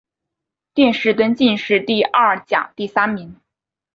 殿试登进士第二甲第三名。